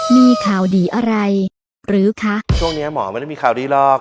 มีข่าวดีอะไรหรือคะช่วงเนี้ยหมอไม่ได้มีข่าวดีหรอก